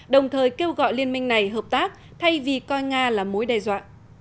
đồng thời kêu gọi liên minh này hợp tác thay vì coi nga là mối đe dọa